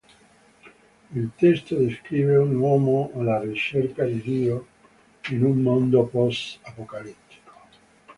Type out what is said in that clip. Il testo descrive un uomo alla ricerca di Dio in un mondo post-apocalittico.